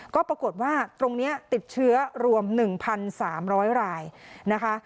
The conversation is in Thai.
ก็ปรากฏว่าตรงนี้ติดเชื้อรวม๑๓๐๐รายนะคะ